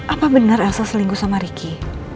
apa bener elsa selingguh sama ricky